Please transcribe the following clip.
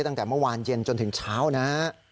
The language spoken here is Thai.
ตั้งแต่เมื่อวานเย็นจนถึงเช้านะฮะ